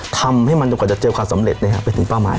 ทำให้มันจนกว่าจะเจอขาดสำเร็จนะครับเป็นสิ่งป้าหมาย